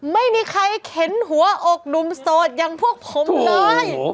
ไม่มีใครเข็นหัวอกหนุ่มโสดอย่างพวกผมเลย